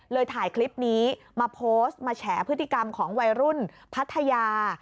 ถ่ายคลิปนี้มาโพสต์มาแฉพฤติกรรมของวัยรุ่นพัทยา